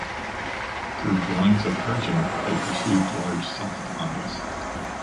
Through blinds of persian, they perceived large soft eyes.